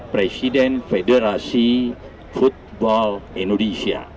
presiden federasi football indonesia